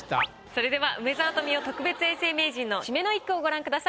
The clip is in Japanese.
それでは梅沢富美男特別永世名人の締めの一句をご覧ください。